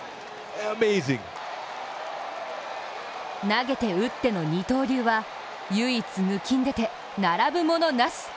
投げて打っての二刀流は唯一抜きん出て並ぶ者なし。